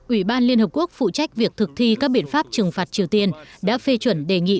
ủy ban liên hợp quốc phụ trách việc thực thi các biện pháp trừng phạt triều tiên đã phê chuẩn đề nghị